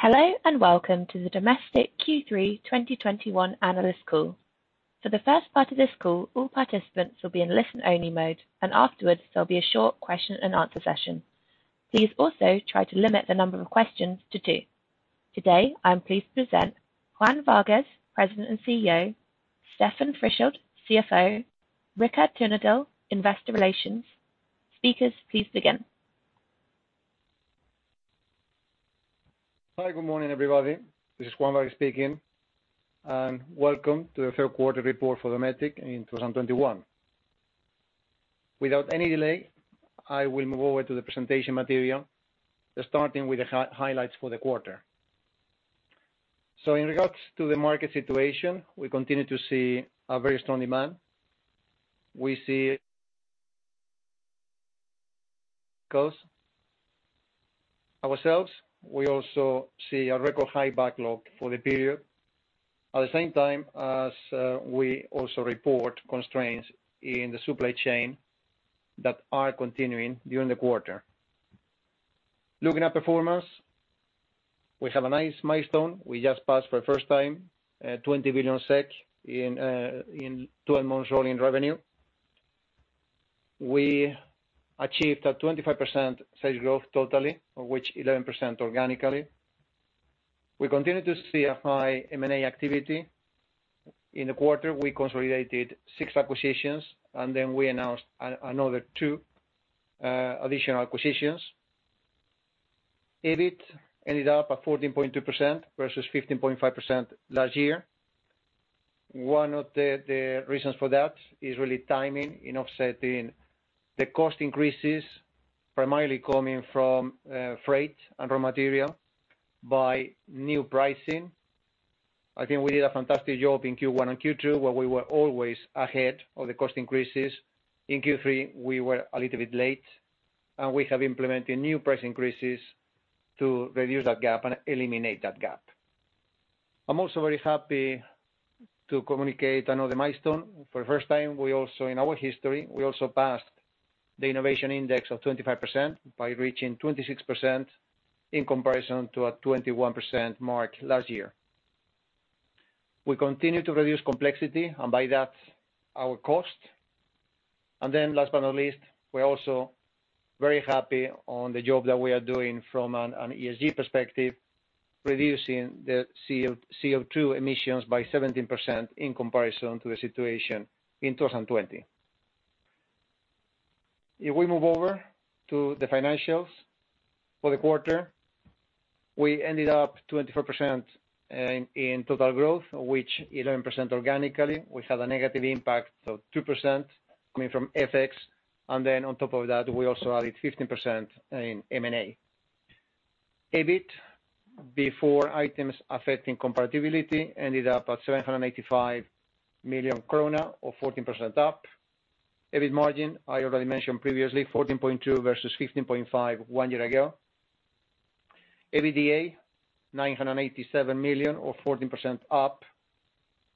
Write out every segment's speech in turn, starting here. Hello, and welcome to the Dometic Q3 2021 analyst call. For the first part of this call, all participants will be in listen-only mode, and afterwards, there'll be a short question-and-answer session. Please also try to limit the number of questions to two. Today, I am pleased to present Juan Vargues, President and Chief Executive Officer, Stefan Fristedt, Chief Financial Officer, Rikard Tunedal, Head of Investor Relations. Speakers, please begin. Hi. Good morning, everybody. This is Juan Vargues speaking, and welcome to the third quarter report for Dometic in 2021. Without any delay, I will move over to the presentation material, starting with the highlights for the quarter. In regards to the market situation, we continue to see a very strong demand. We see because ourselves, we also see a record high backlog for the period. At the same time as we also report constraints in the supply chain that are continuing during the quarter. Looking at performance, we have a nice milestone. We just passed for the first time, 20 billion SEK in 12 months rolling revenue. We achieved a 25% sales growth totally, of which 11% organically. We continue to see a high M&A activity. In the quarter, we consolidated six acquisitions, and then we announced another two additional acquisitions. EBIT ended up at 14.2% versus 15.5% last year. One of the reasons for that is really timing in offsetting the cost increases primarily coming from freight and raw material by new pricing. I think we did a fantastic job in Q1 and Q2, where we were always ahead of the cost increases. In Q3, we were a little bit late, and we have implemented new price increases to reduce that gap and eliminate that gap. I'm also very happy to communicate another milestone. For the first time in our history, we also passed the innovation index of 25% by reaching 26% in comparison to a 21% mark last year. We continue to reduce complexity, and by that, our cost. Last but not least, we are also very happy on the job that we are doing from an ESG perspective, reducing the CO2 emissions by 17% in comparison to the situation in 2020. If we move over to the financials for the quarter. We ended up 24% in total growth, of which 11% organically. We had a negative impact of 2% coming from FX. On top of that, we also added 15% in M&A. EBIT, before items affecting comparability, ended up at 785 million krona or 14% up. EBIT margin, I already mentioned previously, 14.2% versus 15.5% one year ago. EBITDA, 987 million or 14% up.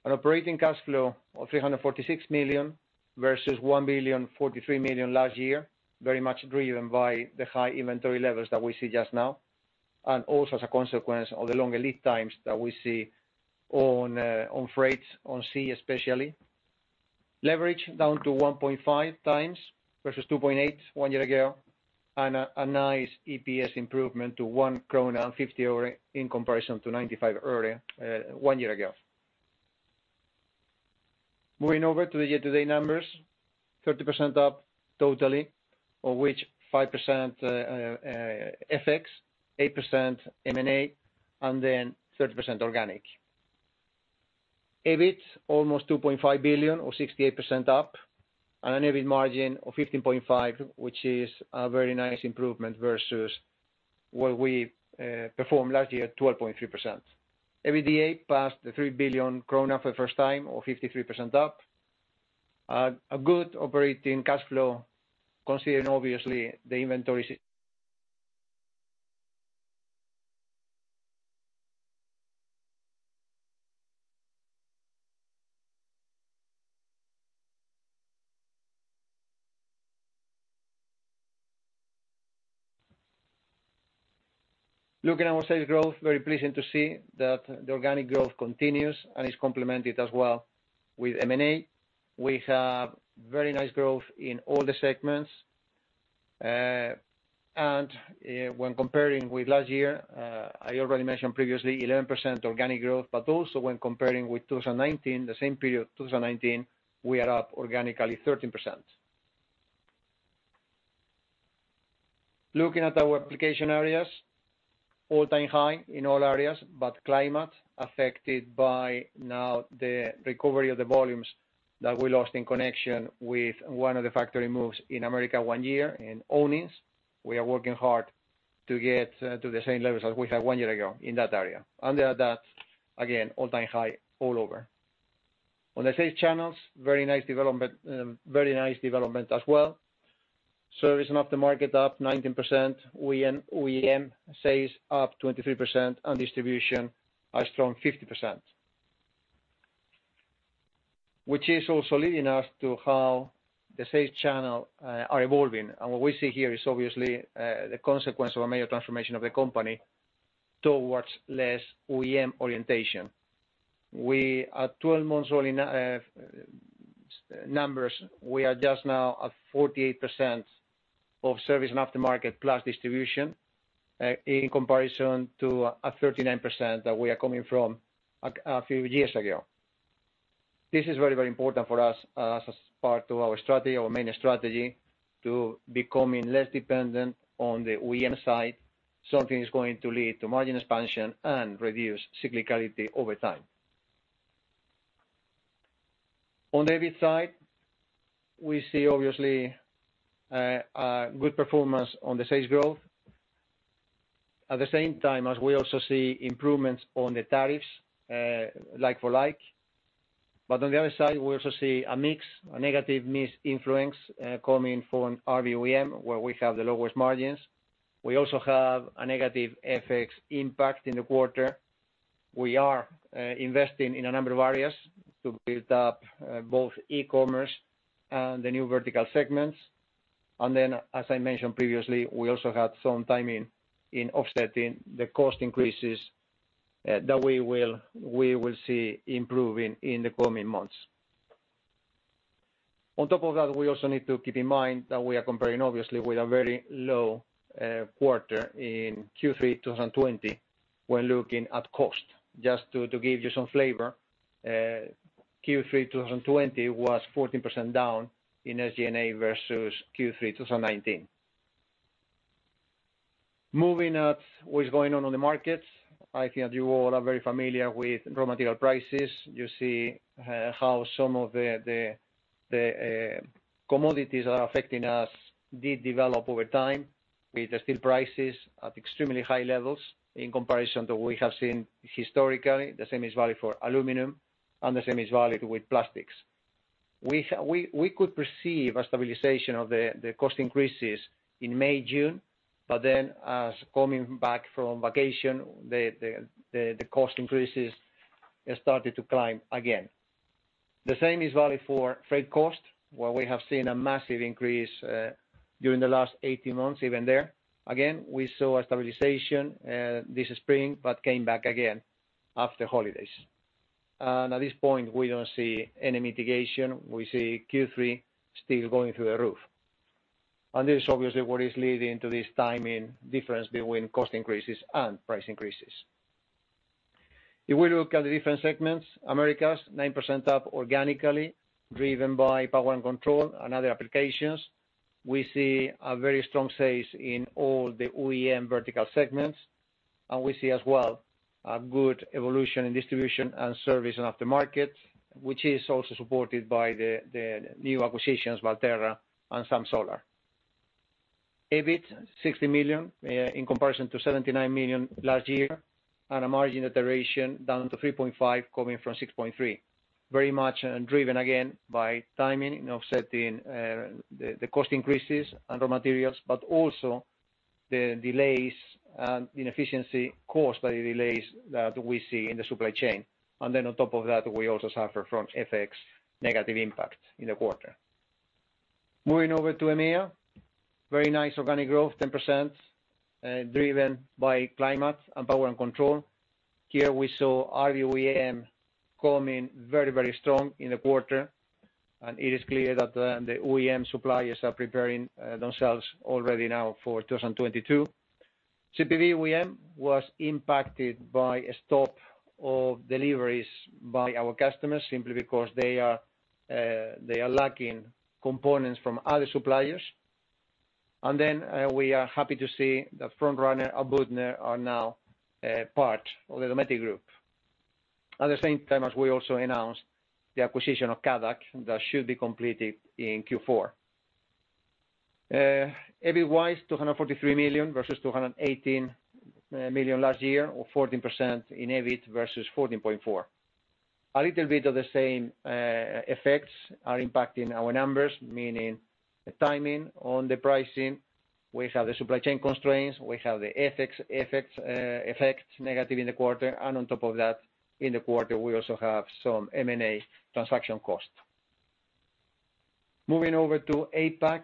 An operating cash flow of 346 million versus 1,043 million last year, very much driven by the high inventory levels that we see just now. Also, as a consequence of the longer lead times that we see on freights, on sea, especially. Leverage down to 1.5x versus 2.8x one year ago. A nice EPS improvement to SEK 1.50 in comparison to 0.95 one year ago. Moving over to the year-to-date numbers, 30% up totally, of which 5% FX, 8% M&A, then 30% organic. EBIT almost 2.5 billion or 68% up. An EBIT margin of 15.5%, which is a very nice improvement versus what we performed last year at 12.3%. EBITDA passed the 3 billion krona for the first time or 53% up. A good operating cash flow considering obviously the inventory. Looking at our sales growth, very pleasing to see that the organic growth continues and is complemented as well with M&A. We have very nice growth in all the segments. When comparing with last year, I already mentioned previously, 11% organic growth, but also when comparing with 2019, the same period, 2019, we are up organically 13%. Looking at our application areas, all-time high in all areas, but climate affected by now the recovery of the volumes that we lost in connection with one of the factory moves in America one year in [Owingsville]. We are working hard to get to the same levels as we had one year ago in that area. Other than that, again, all-time high all over. On the sales channels, very nice development as well. Service and aftermarket up 19%, OEM sales up 23%, and distribution a strong 50%. Which is also leading us to how the sales channels are evolving. What we see here is obviously the consequence of a major transformation of the company towards less OEM orientation. We are 12 months all in numbers. We are just now at 48% of service and aftermarket plus distribution, in comparison to a 39% that we are coming from a few years ago. This is very important for us as a part of our main strategy to becoming less dependent on the OEM side. Something is going to lead to margin expansion and reduce cyclicality over time. On the EBIT side, we see obviously a good performance on the sales growth. At the same time as we also see improvements on the tariffs like-for-like. On the other side, we also see a negative mix influence coming from our OEM, where we have the lowest margins. We also have a negative FX impact in the quarter. We are investing in a number of areas to build up both e-commerce and the new vertical segments. As I mentioned previously, we also had some timing in offsetting the cost increases that we will see improving in the coming months. On top of that, we also need to keep in mind that we are comparing obviously with a very low quarter in Q3 2020 when looking at cost. Just to give you some flavor, Q3 2020 was 14% down in SG&A versus Q3 2019. Moving at what is going on in the markets. I think that you all are very familiar with raw material prices. You see how some of the commodities are affecting us, did develop over time with the steel prices at extremely high levels in comparison to we have seen historically. The same is valid for aluminum, and the same is valid with plastics. We could perceive a stabilization of the cost increases in May, June, but then as coming back from vacation, the cost increases started to climb again. The same is valid for freight cost, where we have seen a massive increase during the last 18 months, even there. Again, we saw a stabilization this spring, but came back again after holidays. At this point, we don't see any mitigation. We see Q3 still going through the roof. This is obviously what is leading to this timing difference between cost increases and price increases. If we look at the different segments, Americas, 9% up organically, driven by power and control and other applications. We see a very strong sales in all the OEM vertical segments. We see as well a good evolution in distribution and service and aftermarket, which is also supported by the new acquisitions, Valterra and Zamp Solar. EBIT, 60 million in comparison to 79 million last year. A margin iteration down to 3.5% coming from 6.3%. Very much driven again by timing, offsetting the cost increases and raw materials, also the delays and inefficiency caused by the delays that we see in the supply chain. On top of that, we also suffer from FX negative impact in the quarter. Moving over to EMEA. Very nice organic growth, 10%, driven by climate and power and control. Here we saw RV OEM come in very strong in the quarter, and it is clear that the OEM suppliers are preparing themselves already now for 2022. CPV OEM was impacted by a stop of deliveries by our customers simply because they are lacking components from other suppliers. We are happy to see that Front Runner and Büttner are now part of the Dometic Group. At the same time as we also announced the acquisition of Cadac, that should be completed in Q4. EBIT-wise, 243 million versus 218 million last year, or 14% in EBIT versus 14.4%. A little bit of the same effects are impacting our numbers, meaning the timing on the pricing. We have the supply chain constraints. We have the FX effects negative in the quarter. On top of that, in the quarter, we also have some M&A transaction cost. Moving over to APAC.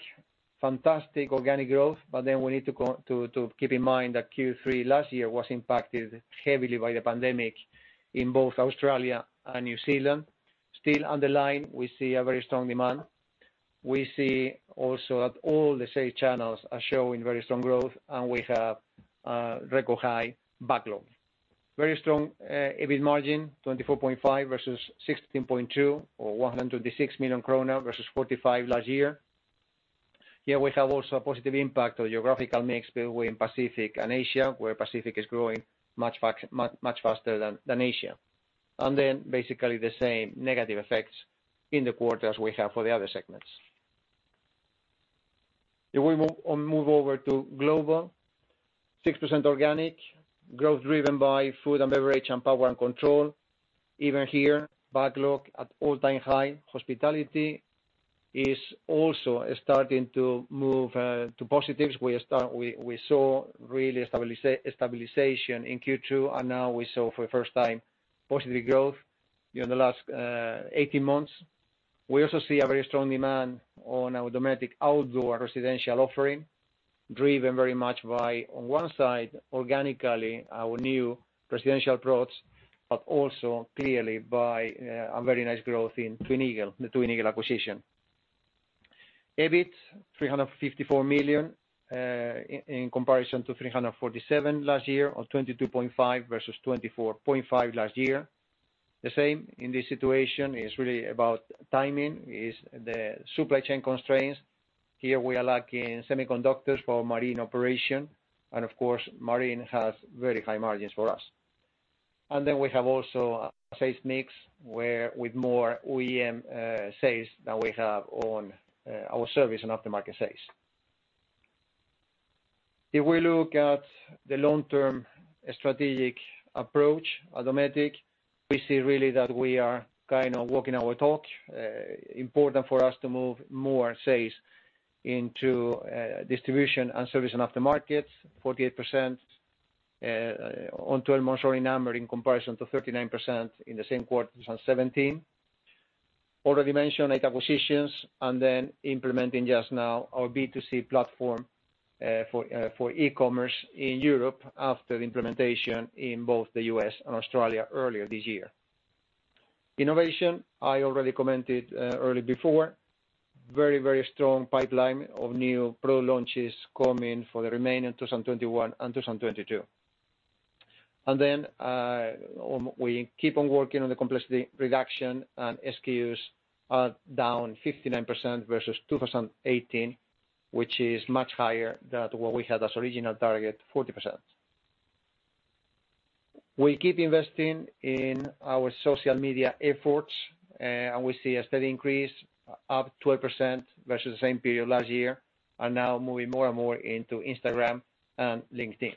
Fantastic organic growth, we need to keep in mind that Q3 last year was impacted heavily by the pandemic in both Australia and New Zealand. Still underlying, we see a very strong demand. We see also that all the sales channels are showing very strong growth, and we have a record high backlog. Very strong EBIT margin, 24.5% versus 16.2%, or 126 million krona versus 45 last year. Here we have also a positive impact of geographical mix between Pacific and Asia, where Pacific is growing much faster than Asia. Basically the same negative effects in the quarter as we have for the other segments. If we move over to global, 6% organic growth driven by food and beverage and power and control. Even here, backlog at all-time high. Hospitality also starting to move to positives. We saw really stabilization in Q2. Now we saw for the first time positive growth in the last 18 months. We also see a very strong demand on our Dometic outdoor residential offering, driven very much by, on one side, organically, our new residential products, also clearly by a very nice growth in Twin Eagles, the Twin Eagles acquisition. EBIT, 354 million in comparison to 347 last year, 22.5% versus 24.5% last year. The same in this situation is really about timing, is the supply chain constraints. Here we are lacking semiconductors for marine operation. Of course, marine has very high margins for us. Then we have also a sales mix with more OEM sales than we have on our service and aftermarket sales. If we look at the long-term strategic approach at Dometic, we see really that we are kind of walking our talk. Important for us to move more sales into distribution and service and aftermarket, 48% on 12-month rolling number in comparison to 39% in the same quarter 2017. Already mentioned eight acquisitions, and then implementing just now our B2C platform for e-commerce in Europe after the implementation in both the U.S. and Australia earlier this year. Innovation, I already commented early before. Very strong pipeline of new product launches coming for the remainder 2021 and 2022. We keep on working on the complexity reduction, and SKUs are down 59% versus 2018, which is much higher than what we had as original target, 40%. We keep investing in our social media efforts, and we see a steady increase up 12% versus the same period last year, and now moving more and more into Instagram and LinkedIn.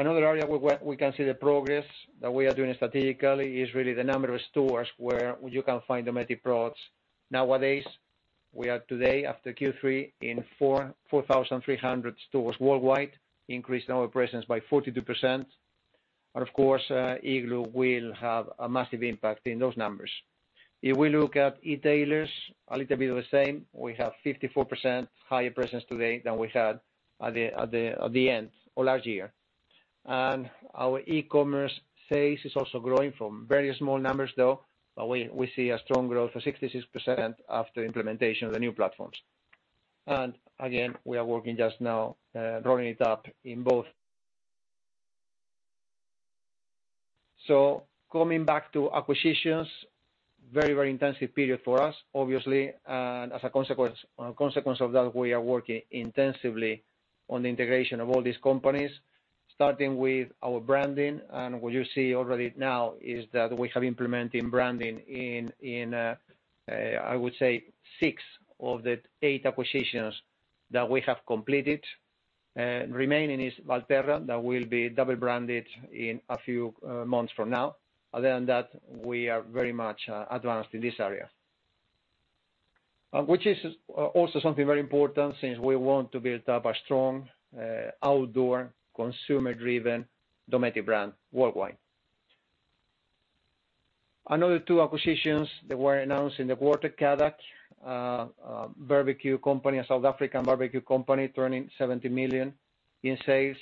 Another area where we can see the progress that we are doing strategically is really the number of stores where you can find Dometic products nowadays. We are today, after Q3, in 4,300 stores worldwide, increased our presence by 42%. Of course, Igloo will have a massive impact in those numbers. If we look at e-tailers, a little bit of the same. We have 54% higher presence today than we had at the end of last year. Our e-commerce sales is also growing from very small numbers, though. We see a strong growth of 66% after implementation of the new platforms. Again, we are working just now, rolling it out in both. Coming back to acquisitions, very intensive period for us, obviously. As a consequence of that, we are working intensively on the integration of all these companies, starting with our branding. What you see already now is that we have implemented branding in, I would say, six of the eight acquisitions that we have completed. Remaining is Valterra, that will be double-branded in a few months from now. Other than that, we are very much advanced in this area. Which is also something very important since we want to build up a strong outdoor consumer-driven Dometic brand worldwide. Another two acquisitions that were announced in the quarter, Cadac, a South African barbecue company turning 70 million in sales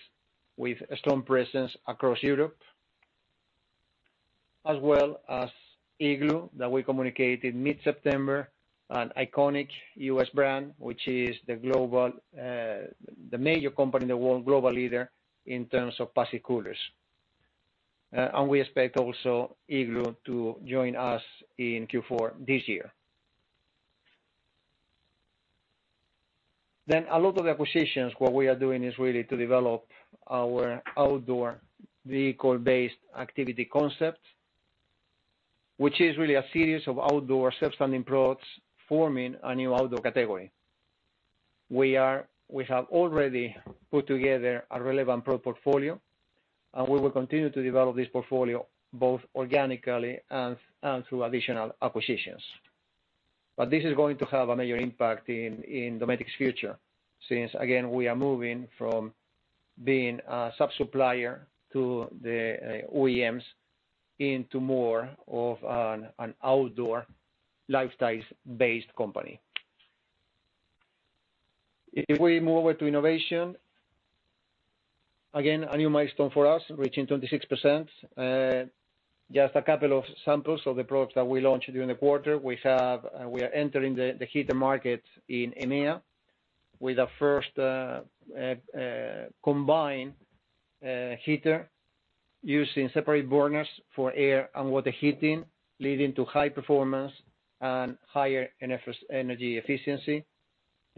with a strong presence across Europe. As well as Igloo, that we communicated mid-September, an iconic U.S. brand, which is the major company in the world, global leader in terms of passive coolers. We expect also Igloo to join us in Q4 this year. A lot of acquisitions, what we are doing is really to develop our outdoor vehicle-based activity concept, which is really a series of outdoor self-standing products forming a new outdoor category. We have already put together a relevant product portfolio, and we will continue to develop this portfolio both organically and through additional acquisitions. This is going to have a major impact in Dometic's future, since, again, we are moving from being a sub-supplier to the OEMs into more of an outdoor lifestyle-based company. If we move over to innovation, again, a new milestone for us, reaching 26%. Just a couple of samples of the products that we launched during the quarter. We are entering the heater market in EMEA with our first combined heater using separate burners for air and water heating, leading to high performance and higher energy efficiency.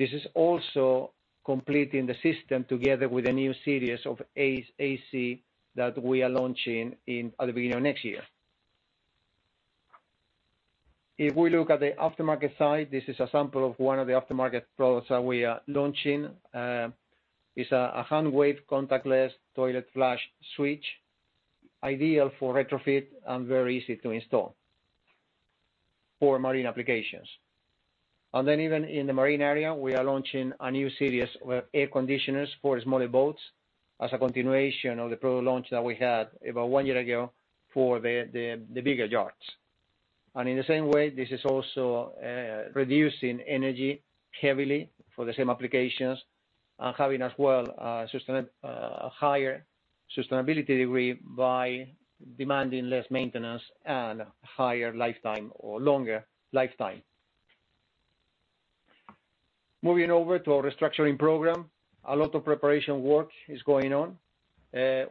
This is also completing the system together with a new series of AC that we are launching at the beginning of next year. We look at the aftermarket side, this is a sample of one of the aftermarket products that we are launching. It's a hand wave contactless toilet flush switch. Ideal for retrofit and very easy to install for marine applications. Even in the marine area, we are launching a new series of air conditioners for smaller boats as a continuation of the product launch that we had about one year ago for the bigger yachts. In the same way, this is also reducing energy heavily for the same applications and having as well a higher sustainability degree by demanding less maintenance and higher lifetime or longer lifetime. Moving over to our restructuring program, a lot of preparation work is going on.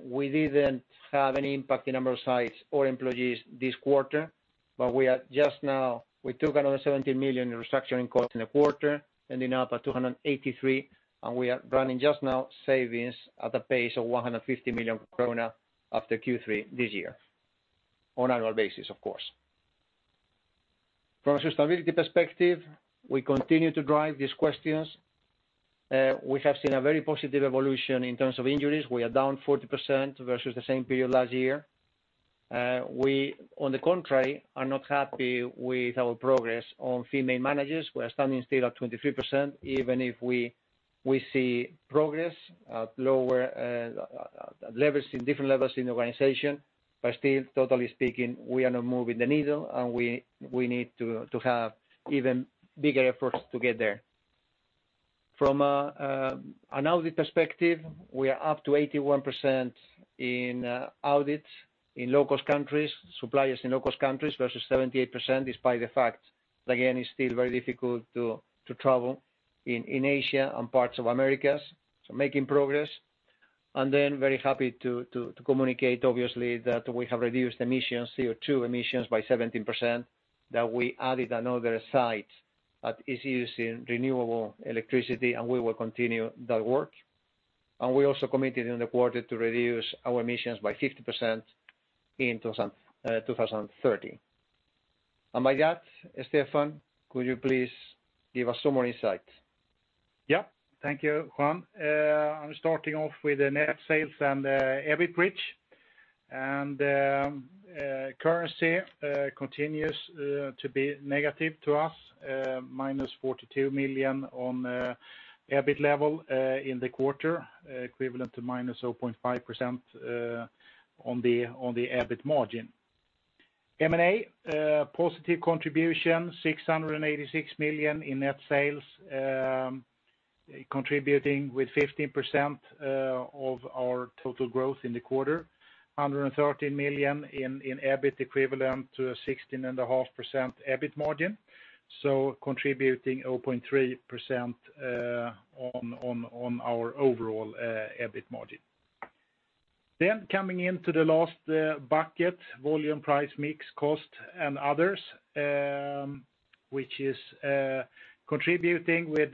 We didn't have any impact in number of sites or employees this quarter, but we took another 17 million in restructuring costs in the quarter, ending up at 283, and we are running just now savings at a pace of 150 million after Q3 this year, on annual basis, of course. From a sustainability perspective, we continue to drive these questions. We have seen a very positive evolution in terms of injuries. We are down 40% versus the same period last year. We, on the contrary, are not happy with our progress on female managers. We are standing still at 23%, even if we see progress at different levels in the organization. Still, totally speaking, we are not moving the needle, and we need to have even bigger efforts to get there. From an audit perspective, we are up to 81% in audits in low-cost countries, suppliers in low-cost countries, versus 78%, despite the fact that, again, it's still very difficult to travel in Asia and parts of Americas. Making progress. Very happy to communicate, obviously, that we have reduced emissions, CO2 emissions by 17%, that we added another site that is using renewable electricity, and we will continue that work. We also committed in the quarter to reduce our emissions by 50% in 2030. By that, Stefan, could you please give us some more insight? Yeah. Thank you, Juan. I'm starting off with the net sales and EBIT bridge. Currency continues to be negative to us, 42 million on the EBIT level in the quarter, equivalent to -0.5% on the EBIT margin. M&A, positive contribution, 686 million in net sales, contributing with 15% of our total growth in the quarter, 113 million in EBIT equivalent to a 16.5% EBIT margin, so contributing 0.3% on our overall EBIT margin. Coming into the last bucket, volume, price, mix, cost, and others, which is contributing with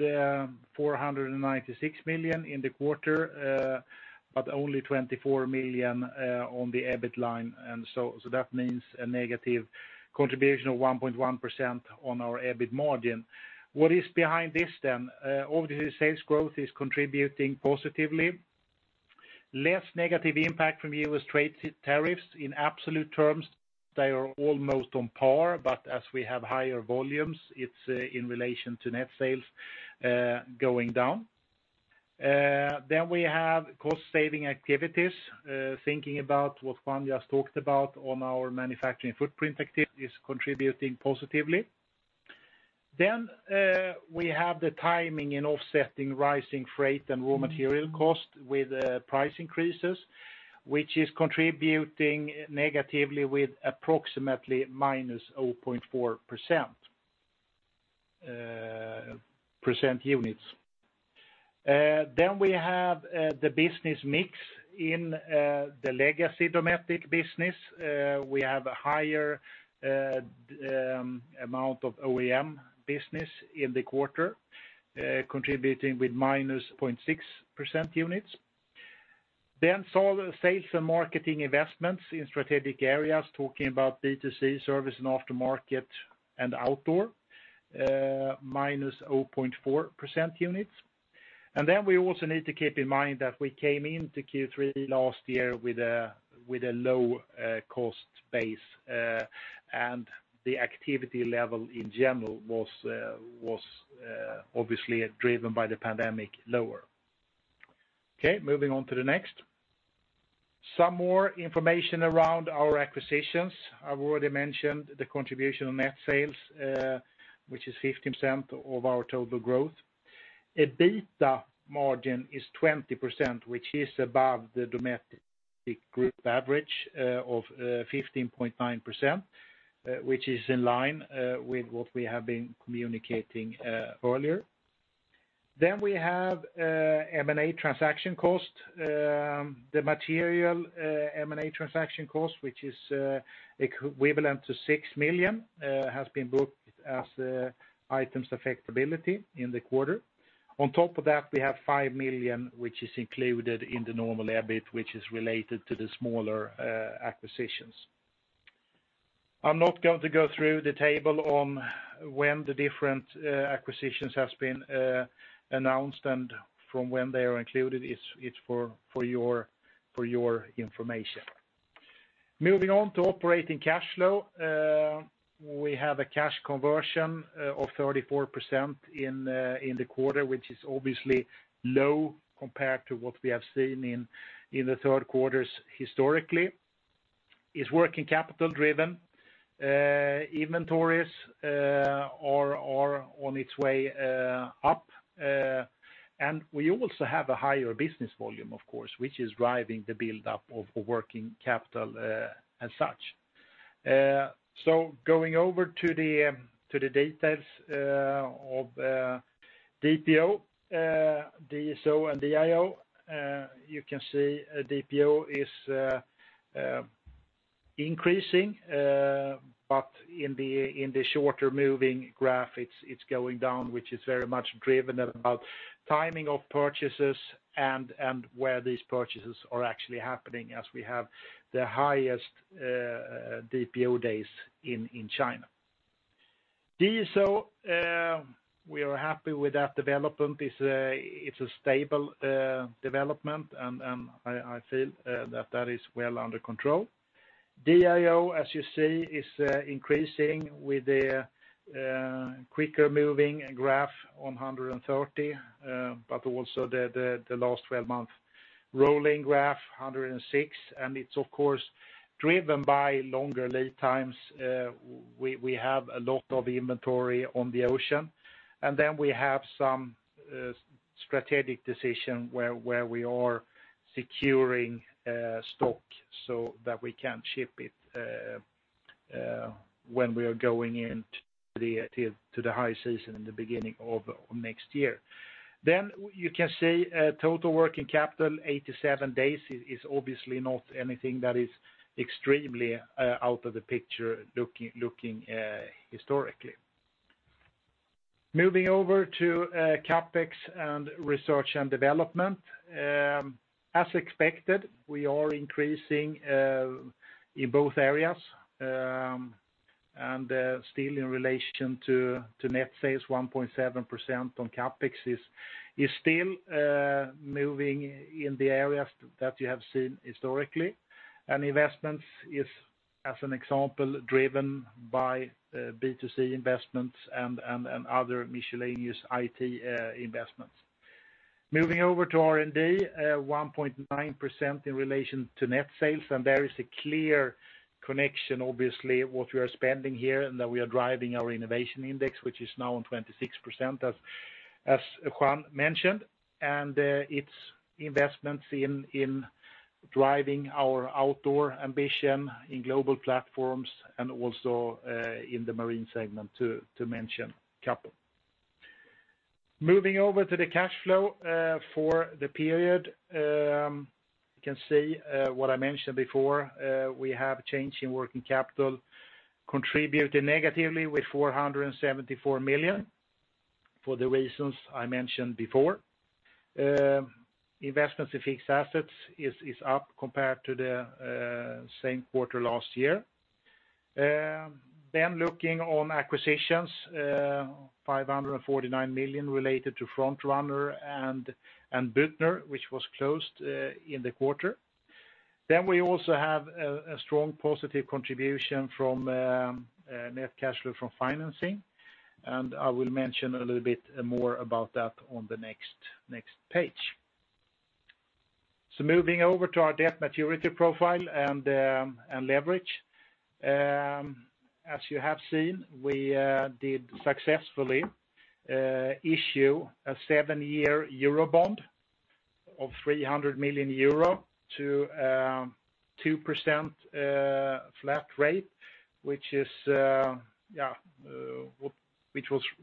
496 million in the quarter, but only 24 million on the EBIT line. That means a negative contribution of 1.1% on our EBIT margin. What is behind this then? Organic sales growth is contributing positively. Less negative impact from U.S. trade tariffs. In absolute terms, they are almost on par, but as we have higher volumes, it's in relation to net sales going down. We have cost-saving activities, thinking about what Juan just talked about on our manufacturing footprint activities contributing positively. We have the timing in offsetting rising freight and raw material cost with price increases, which is contributing negatively with approximately -0.4% units. We have the business mix in the legacy Dometic business. We have a higher amount of OEM business in the quarter, contributing with -0.6% units. Sales and marketing investments in strategic areas, talking about D2C service and aftermarket and outdoor, -0.4% units. We also need to keep in mind that we came into Q3 last year with a low cost base, and the activity level in general was obviously driven by the pandemic lower. Moving on to the next. Some more information around our acquisitions. I've already mentioned the contribution on net sales, which is 15% of our total growth. EBITDA margin is 20%, which is above the Dometic Group average of 15.9%, which is in line with what we have been communicating earlier. We have M&A transaction cost. The material M&A transaction cost, which is equivalent to 6 million, has been booked as items affectability in the quarter. On top of that, we have 5 million, which is included in the normal EBIT, which is related to the smaller acquisitions. I'm not going to go through the table on when the different acquisitions have been announced and from when they are included. It's for your information. Moving on to operating cash flow. We have a cash conversion of 34% in the quarter, which is obviously low compared to what we have seen in the third quarters historically. It's working capital driven. Inventories are on its way up. We also have a higher business volume, of course, which is driving the build-up of working capital as such. Going over to the details of DPO, DSO, and DIO. You can see DPO is increasing, but in the shorter moving graph, it's going down, which is very much driven about timing of purchases and where these purchases are actually happening as we have the highest DPO days in China. DSO, we are happy with that development. It's a stable development, and I feel that is well under control. DIO, as you see, is increasing with a quicker-moving graph on 130, but also the last 12-month rolling graph, 106, and it's of course driven by longer lead times. We have a lot of inventory on the ocean, and then we have some strategic decision where we are securing stock so that we can ship it when we are going into the high season in the beginning of next year. You can see total working capital, 87 days is obviously not anything that is extremely out of the picture looking historically. Moving over to CapEx and research and development. As expected, we are increasing in both areas, and still in relation to net sales, 1.7% on CapEx is still moving in the areas that you have seen historically, and investments is, as an example, driven by B2C investments and other miscellaneous IT investments. Moving over to R&D, 1.9% in relation to net sales. There is a clear connection, obviously, what we are spending here, and that we are driving our innovation index, which is now on 26%, as Juan mentioned. Its investments in driving our outdoor ambition in global platforms and also in the marine segment, to mention a couple. Moving over to the cash flow for the period. You can see what I mentioned before. We have change in working capital contributing negatively with 474 million for the reasons I mentioned before. Investments in fixed assets is up compared to the same quarter last year. Looking on acquisitions, 549 million related to Front Runner and Büttner, which was closed in the quarter. We also have a strong positive contribution from net cash flow from financing, and I will mention a little bit more about that on the next page. Moving over to our debt maturity profile and leverage. As you have seen, we did successfully issue a seven-year euro bond of 300 million euro to 2% flat rate, which was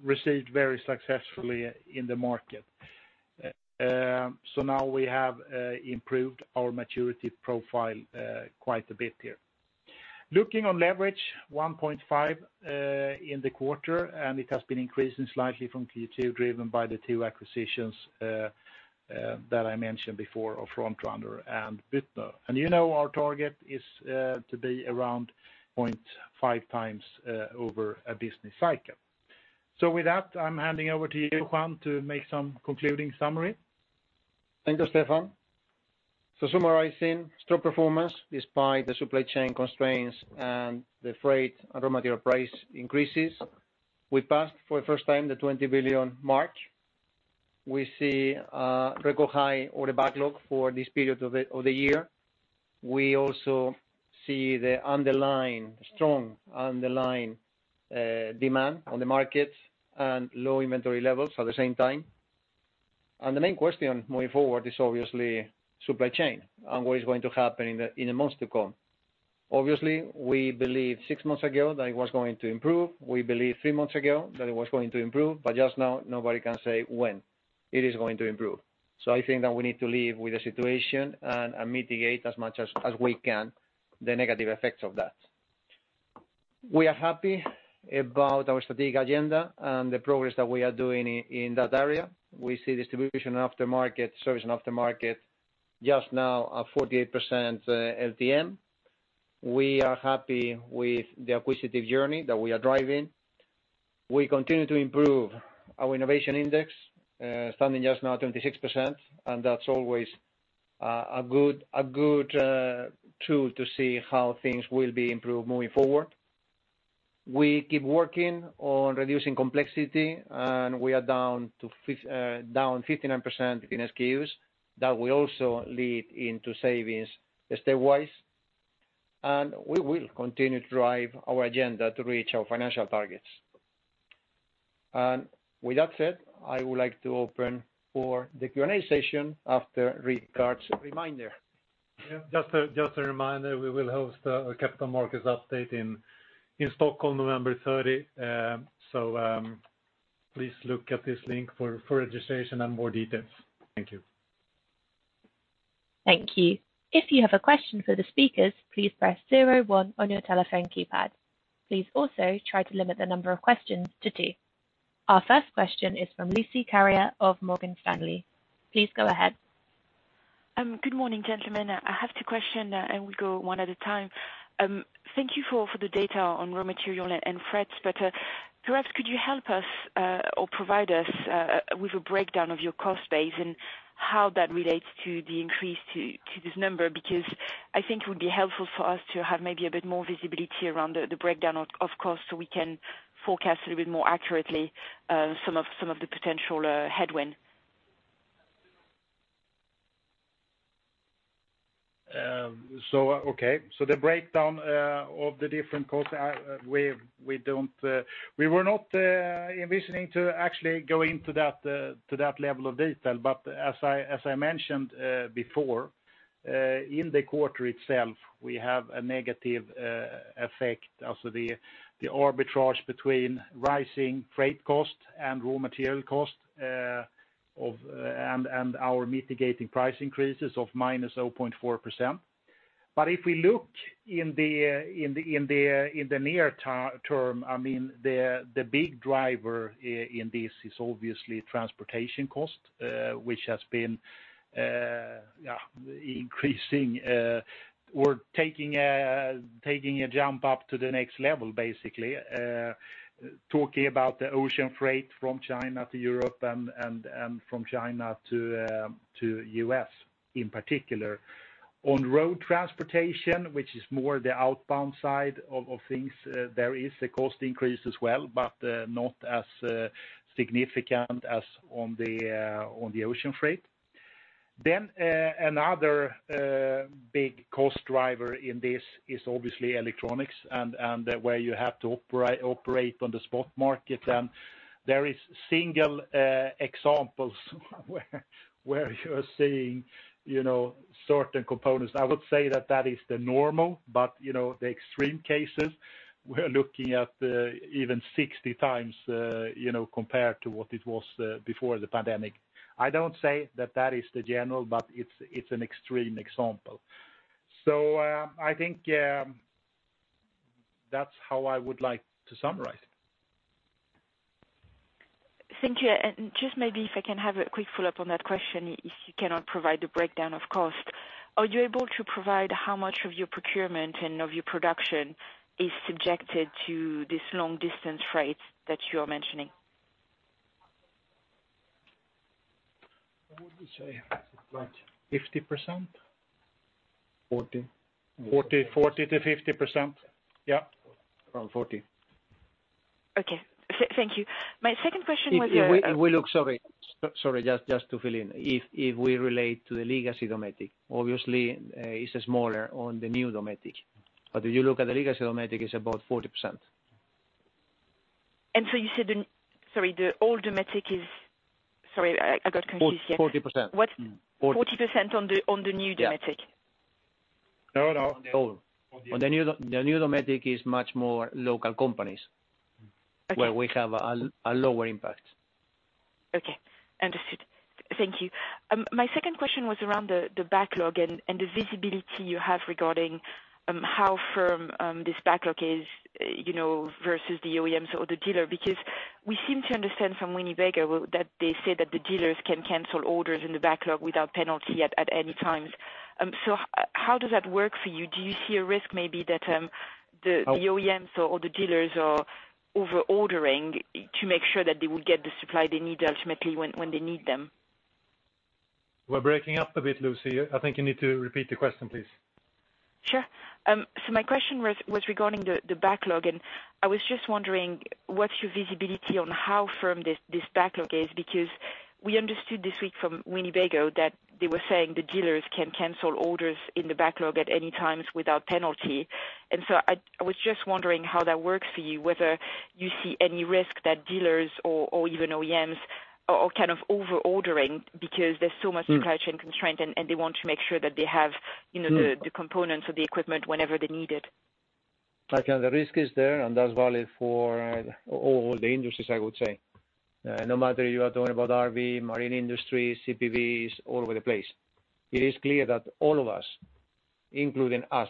received very successfully in the market. Now we have improved our maturity profile quite a bit here. Looking on leverage, 1.5x in the quarter, and it has been increasing slightly from Q2, driven by the two acquisitions that I mentioned before of Front Runner and Büttner. You know our target is to be around 0.5x over a business cycle. With that, I'm handing over to you, Juan, to make some concluding summary. Thank you, Stefan. Summarizing store performance, despite the supply chain constraints and the freight and raw material price increases, we passed for the first time the 20 billion mark. We see a record high order backlog for this period of the year. We also see the strong underlying demand on the markets and low inventory levels at the same time. The main question moving forward is obviously supply chain and what is going to happen in the months to come. Obviously, we believed six months ago that it was going to improve. We believed three months ago that it was going to improve, but just now nobody can say when it is going to improve. I think that we need to live with the situation and mitigate as much as we can the negative effects of that. We are happy about our strategic agenda and the progress that we are doing in that area. We see distribution aftermarket, service aftermarket, just now at 48% LTM. We are happy with the acquisitive journey that we are driving. We continue to improve our innovation index, standing just now at 26%, That's always a good tool to see how things will be improved moving forward. We keep working on reducing complexity, and we are down 59% in SKUs. That will also lead into savings stepwise. We will continue to drive our agenda to reach our financial targets. With that said, I would like to open for the Q&A session after Rick gives a reminder. Just a reminder, we will host a capital markets update in Stockholm, November 30. Please look at this link for registration and more details. Thank you. Thank you. If you have a question for the speakers, please press zero one on your telephone keypad. Please also try to limit the number of questions to two. Our first question is from Lucie Carrier of Morgan Stanley. Please go ahead. Good morning, gentlemen. I have two question. We go one at a time. Thank you for the data on raw material and freight. Perhaps could you help us or provide us with a breakdown of your cost base and how that relates to the increase to this number? I think it would be helpful for us to have maybe a bit more visibility around the breakdown of cost so we can forecast a little bit more accurately some of the potential headwind. Okay. The breakdown of the different costs, we were not envisioning to actually go into that level of detail. As I mentioned before, in the quarter itself, we have a negative effect of the arbitrage between rising freight cost and raw material cost, and our mitigating price increases of -0.4%. If we look in the near term, the big driver in this is obviously transportation cost, which has been increasing. We're taking a jump up to the next level, basically, talking about the ocean freight from China to Europe and from China to U.S., in particular. On road transportation, which is more the outbound side of things, there is a cost increase as well, but not as significant as on the ocean freight. Another big cost driver in this is obviously electronics and where you have to operate on the spot market. There is single examples where you're seeing certain components. I would say that is the normal, but the extreme cases, we're looking at even 60x compared to what it was before the pandemic. I don't say that is the general, but it's an extreme example. I think that's how I would like to summarize it. Thank you. Just maybe if I can have a quick follow-up on that question, if you cannot provide the breakdown of cost. Are you able to provide how much of your procurement and of your production is subjected to this long-distance freight that you are mentioning? What would you say, like 50%? 40%. 40%-50%. Yeah. Around 40%. Okay. Thank you. My second question was. Sorry, just to fill in. If we relate to the legacy Dometic, obviously, it's smaller on the new Dometic. If you look at the legacy Dometic, it's about 40%. You said, sorry, I got confused here. 40%. 40% on the new Dometic? Yeah. No, in total. The new Dometic is much more local companies- Okay where we have a lower impact. Okay. Understood. Thank you. My second question was around the backlog and the visibility you have regarding how firm this backlog is versus the OEMs or the dealer, because we seem to understand from Winnebago that they say that the dealers can cancel orders in the backlog without penalty at any time. How does that work for you? Do you see a risk maybe that the OEMs or the dealers are over-ordering to make sure that they will get the supply they need ultimately when they need them? We're breaking up a bit, Lucie. I think you need to repeat the question, please. Sure. My question was regarding the backlog, and I was just wondering, what's your visibility on how firm this backlog is? Because we understood this week from Winnebago that they were saying the dealers can cancel orders in the backlog at any time without penalty. I was just wondering how that works for you, whether you see any risk that dealers or even OEMs are over-ordering because there's so much supply chain constraint, and they want to make sure that they have the components or the equipment whenever they need it. I think the risk is there, and that's valid for all the industries, I would say. No matter you are talking about RV, marine industry, CPVs, all over the place. It is clear that all of us, including us,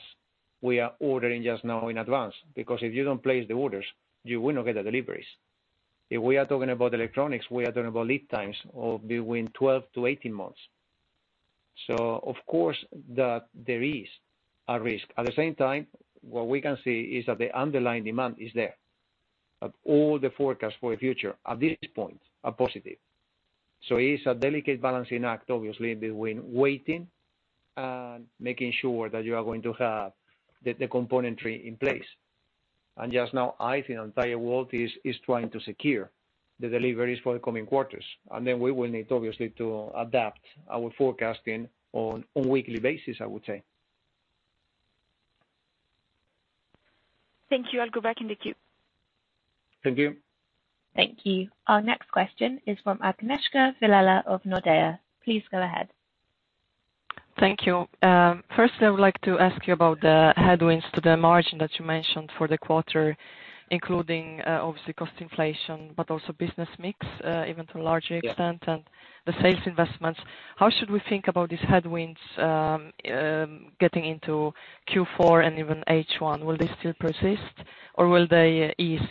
we are ordering just now in advance, because if you don't place the orders, you will not get the deliveries. If we are talking about electronics, we are talking about lead times of between 12 and 18 months. Of course, there is a risk. At the same time, what we can see is that the underlying demand is there. Of all the forecasts for the future, at this point, are positive. It is a delicate balancing act, obviously, between waiting and making sure that you are going to have the componentry in place. Just now, I think the entire world is trying to secure the deliveries for the coming quarters. We will need obviously to adapt our forecasting on a weekly basis, I would say. Thank you. I'll go back in the queue. Thank you. Thank you. Our next question is from Agnieszka Vilela of Nordea. Please go ahead. Thank you. First I would like to ask you about the headwinds to the margin that you mentioned for the quarter, including, obviously cost inflation, but also business mix, even to a larger extent. Yeah The sales investments. How should we think about these headwinds getting into Q4 and even H1? Will they still persist or will they ease,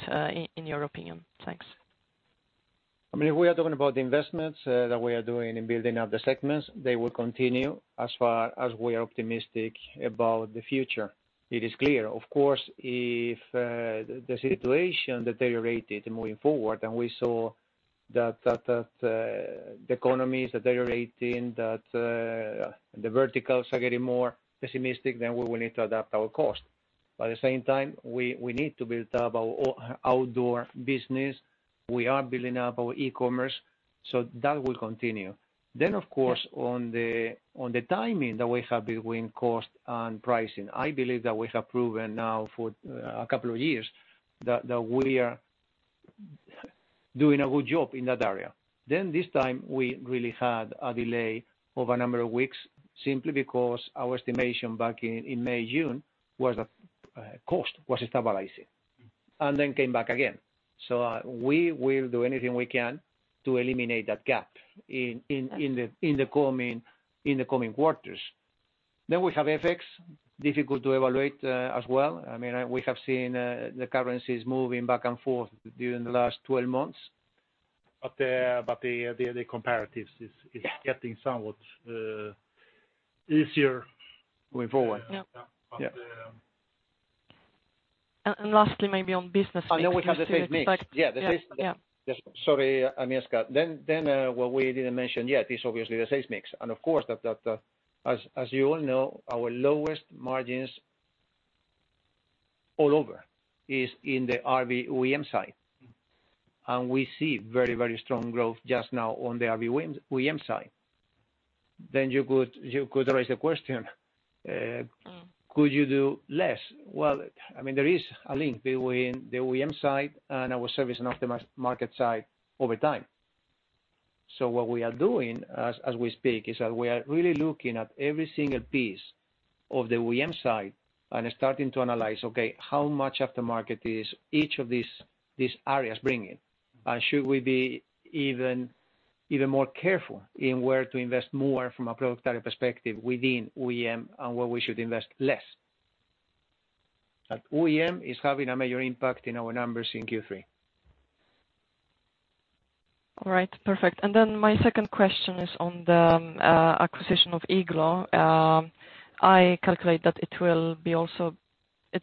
in your opinion? Thanks. If we are talking about the investments that we are doing in building up the segments, they will continue as far as we are optimistic about the future. It is clear. Of course, if the situation deteriorated moving forward and we saw that the economy is deteriorating, that the verticals are getting more pessimistic, then we will need to adapt our cost. At the same time, we need to build up our outdoor business. We are building up our e-commerce, so that will continue. Of course, on the timing that we have between cost and pricing, I believe that we have proven now for couple of years that we are doing a good job in that area. This time we really had a delay of a number of weeks simply because our estimation back in May, June was that cost was stabilizing and then came back again. We will do anything we can to eliminate that gap in the coming quarters. We have FX, difficult to evaluate as well. We have seen the currencies moving back and forth during the last 12 months. The comparatives is getting somewhat easier going forward. Yeah. Yeah. Lastly, maybe on business mix too. We have the sales mix. Yeah. Sorry, Agnieszka. What we didn't mention yet is obviously the sales mix and of course as you all know, our lowest margins all over is in the RV OEM side. We see very strong growth just now on the RV OEM side. You could raise the question, could you do less? There is a link between the OEM side and our service and aftermarket side over time. What we are doing as we speak is that we are really looking at every single piece of the OEM side and starting to analyze, okay, how much aftermarket is each of these areas bringing? Should we be even more careful in where to invest more from a product data perspective within OEM and where we should invest less. OEM is having a major impact in our numbers in Q3. All right. Perfect. My second question is on the acquisition of Igloo. I calculate that it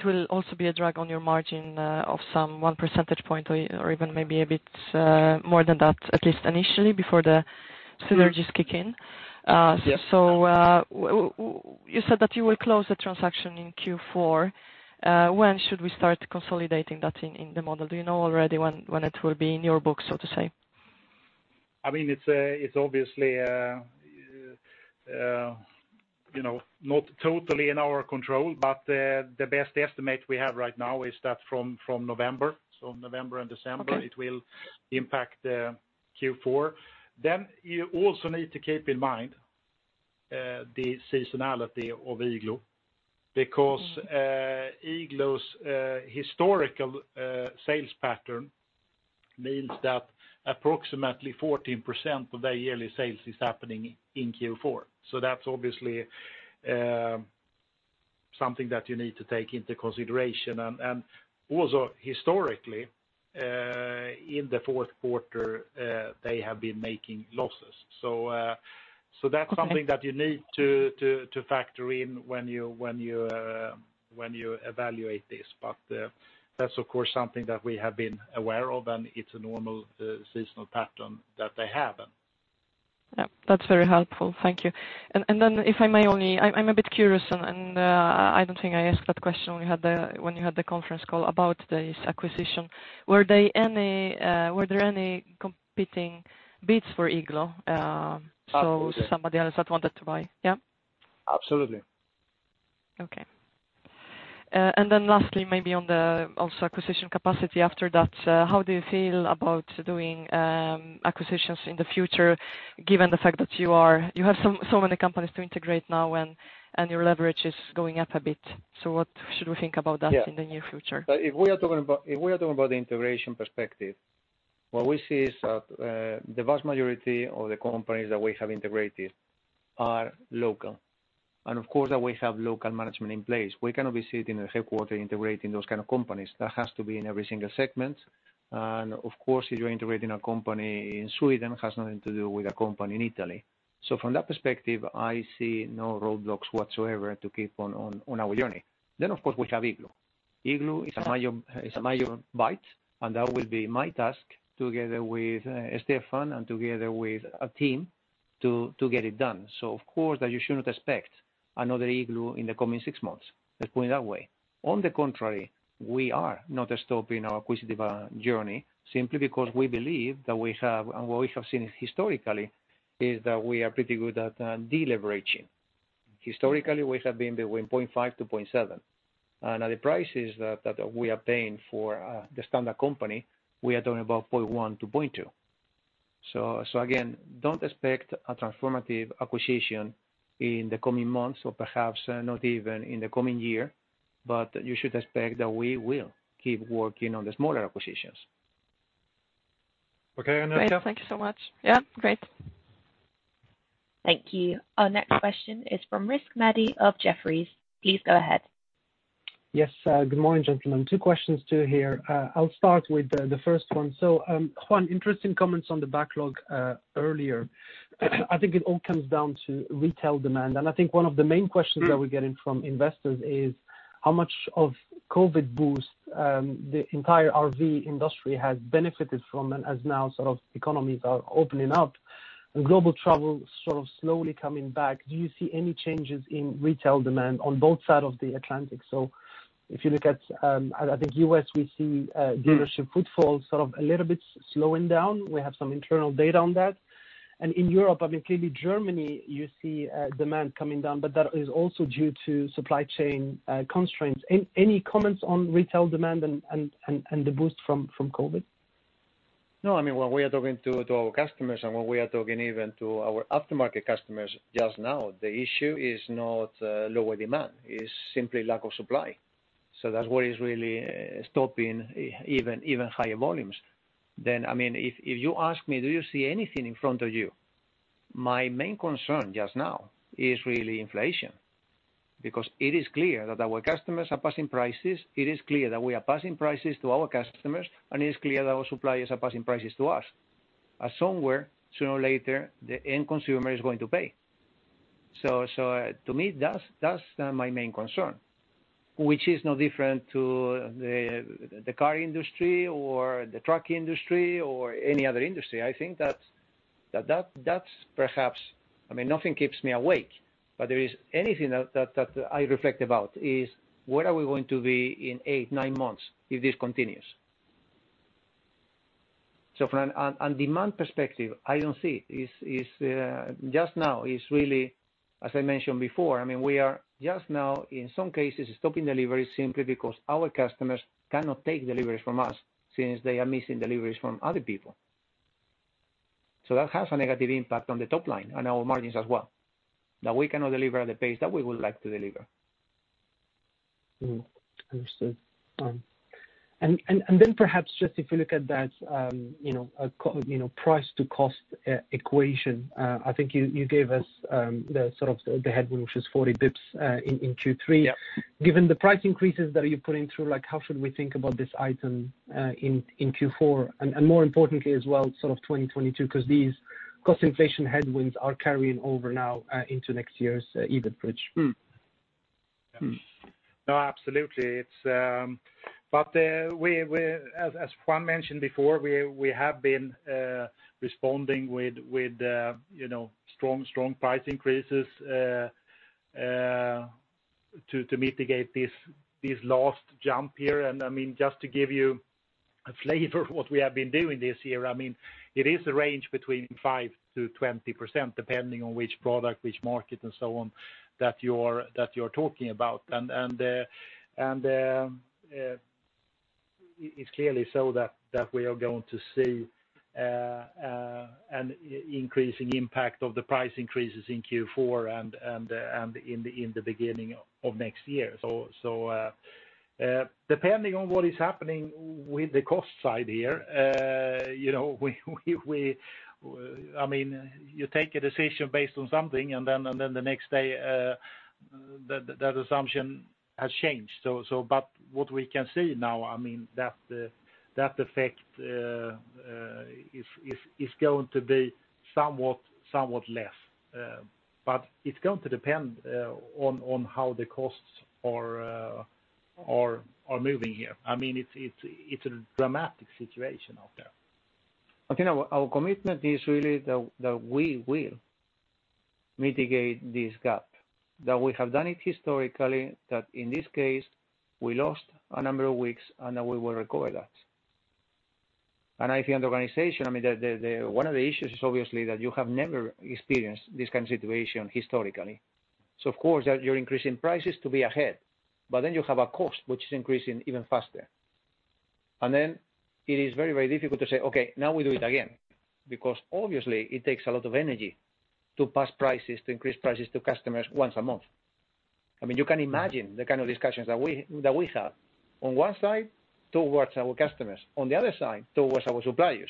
will also be a drag on your margin of some one percentage point or even maybe a bit more than that, at least initially before the synergies kick in. Yes. You said that you will close the transaction in Q4. When should we start consolidating that in the model? Do you know already when it will be in your book, so to say? It's obviously not totally in our control, but the best estimate we have right now is that from November. November and December. Okay it will impact Q4. You also need to keep in mind the seasonality of Igloo, because Igloo's historical sales pattern means that approximately 14% of their yearly sales is happening in Q4. That's obviously something that you need to take into consideration. Also historically, in the fourth quarter, they have been making losses. That's something that you need to factor in when you evaluate this. That's of course something that we have been aware of, and it's a normal seasonal pattern that they have. Yeah, that's very helpful. Thank you. Then if I may only, I'm a bit curious, and I don't think I asked that question when you had the conference call about this acquisition. Were there any competing bids for Igloo? Absolutely. Somebody else had wanted to buy? Yeah. Absolutely. Okay. Lastly, maybe on the also acquisition capacity after that, how do you feel about doing acquisitions in the future given the fact that you have so many companies to integrate now and your leverage is going up a bit? What should we think about that in the near future? If we are talking about the integration perspective, what we see is that the vast majority of the companies that we have integrated are local. Of course, that we have local management in place. We cannot be sitting in a headquarters integrating those kind of companies. That has to be in every single segment. Of course, if you're integrating a company in Sweden, it has nothing to do with a company in Italy. From that perspective, I see no roadblocks whatsoever to keep on our journey. Of course, we have Igloo. Igloo is a major bite, and that will be my task, together with Stefan and together with a team, to get it done. Of course, that you should not expect another Igloo in the coming six months. Let's put it that way. On the contrary, we are not stopping our acquisitive journey simply because we believe, and what we have seen historically, is that we are pretty good at de-leveraging. Historically, we have been between 0.5x and 0.7x. At the prices that we are paying for the standard company, we are talking about 0.1x-0.2x. Again, don't expect a transformative acquisition in the coming months, or perhaps not even in the coming year, but you should expect that we will keep working on the smaller acquisitions. Okay, Agnieszka. Great. Thank you so much. Yeah, great. Thank you. Our next question is from Rizk Maidi of Jefferies. Please go ahead. Yes. Good morning, gentlemen. Two questions to hear. I'll start with the 1st one. Juan, interesting comments on the backlog earlier. I think it all comes down to retail demand. I think one of the main questions that we're getting from investors is how much of COVID boost the entire RV industry has benefited from, and as now economies are opening up and global travel slowly coming back. Do you see any changes in retail demand on both sides of the Atlantic? If you look at the U.S., we see- dealership footfalls sort of a little bit slowing down. We have some internal data on that. In Europe, clearly Germany, you see demand coming down, but that is also due to supply chain constraints. Any comments on retail demand and the boost from COVID? No, when we are talking to our customers and when we are talking even to our aftermarket customers just now, the issue is not lower demand, it's simply lack of supply. That's what is really stopping even higher volumes. If you ask me, "Do you see anything in front of you?" My main concern just now is really inflation, because it is clear that our customers are passing prices, it is clear that we are passing prices to our customers, and it is clear that our suppliers are passing prices to us. At somewhere, sooner or later, the end consumer is going to pay. To me, that's my main concern, which is no different to the car industry or the truck industry or any other industry. Nothing keeps me awake, but there is anything that I reflect about is, where are we going to be in eight, nine months if this continues? From a demand perspective, I don't see it. Just now, it's really, as I mentioned before, we are just now in some cases stopping deliveries simply because our customers cannot take deliveries from us since they are missing deliveries from other people. That has a negative impact on the top line and our margins as well, that we cannot deliver at the pace that we would like to deliver. Understood. Perhaps just if you look at that price to cost equation, I think you gave us the headwind, which is 40 basis points in Q3. Yeah. Given the price increases that you're putting through, how should we think about this item in Q4, and more importantly as well, 2022, because these cost inflation headwinds are carrying over now into next year's EBIT bridge? No, absolutely. As Juan mentioned before, we have been responding with strong price increases to mitigate this last jump here. Just to give you a flavor of what we have been doing this year, it is a range between 5% and 20%, depending on which product, which market, and so on that you're talking about. It's clearly so that we are going to see an increasing impact of the price increases in Q4 and in the beginning of next year. Depending on what is happening with the cost side here, you take a decision based on something, and then the next day, that assumption has changed. What we can see now, that effect is going to be somewhat less. It's going to depend on how the costs are moving here. It's a dramatic situation out there. Okay. Our commitment is really that we will mitigate this gap, that we have done it historically, that in this case, we lost a number of weeks and that we will recover that. I think the organization, one of the issues is obviously that you have never experienced this kind of situation historically. Of course, you're increasing prices to be ahead, but then you have a cost which is increasing even faster. It is very difficult to say, "Okay, now we do it again." Because obviously it takes a lot of energy to pass prices, to increase prices to customers once a month. You can imagine the kind of discussions that we have on one side towards our customers, on the other side towards our suppliers.